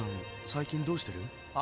最近どうしてる？